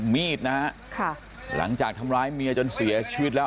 มีดนะฮะค่ะหลังจากทำร้ายเมียจนเสียชีวิตแล้ว